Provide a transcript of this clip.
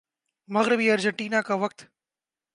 مغربی ارجنٹینا کا وقت